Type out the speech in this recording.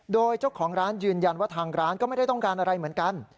โดยเจ้าของร้านยืนยันว่าทางร้านก็ไม่ได้ต้องการอะไรเหมือนกัน